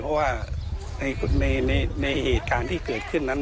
เพราะว่าในเหตุการณ์ที่เกิดขึ้นนั้น